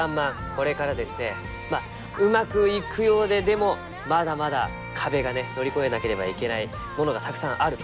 これからですねまあうまくいくようででもまだまだ壁がね乗り越えなければいけないものがたくさんあると。